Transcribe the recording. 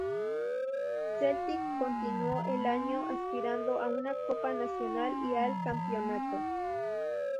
Celtic continuó el año aspirando a una copa nacional y al campeonato.